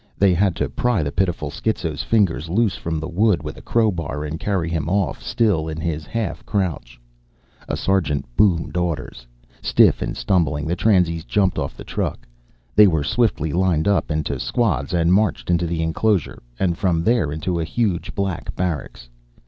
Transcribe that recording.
They had to pry the pitiful schizo's fingers loose from the wood with a crow bar and carry him off, still in his half crouch. A sergeant boomed orders. Stiff and stumbling, the transies jumped off the truck. They were swiftly lined up into squads and marched into the enclosure and from there into a huge black barracks.